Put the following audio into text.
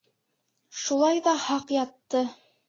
Шулай ҙа һаҡ ятты.